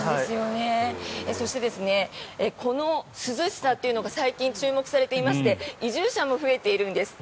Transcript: そしてこの涼しさというのが最近、注目されていまして移住者も増えているんです。